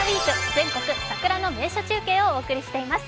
全国桜の名所中継をお送りしています。